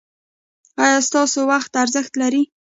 ایا ستاسو وخت ارزښت لري؟